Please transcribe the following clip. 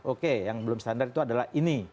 oke yang belum standar itu adalah ini